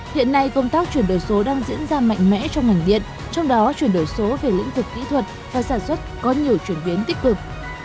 hiện nay công tác chuyển đổi số đang diễn ra mạnh mẽ trong ngành điện trong đó chuyển đổi số về lĩnh vực kỹ thuật và sản xuất có nhiều chuyển biến tích cực